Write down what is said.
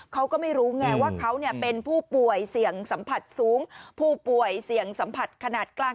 เขาก็ไม่รู้ไงว่าเขาเป็นผู้ป่วยเสี่ยงสัมผัสสูงผู้ป่วยเสี่ยงสัมผัสขนาดกลาง